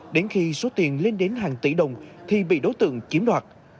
đến khi số tiền lên đến hàng tỷ đồng thì bị đối tượng chiếm đoạt